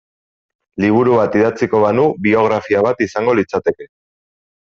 Liburu bat idatziko banu biografia bat izango litzateke.